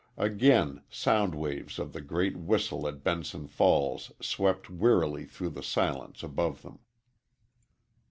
Again sound waves of the great whistle at Benson Falls swept wearily through the silence above them.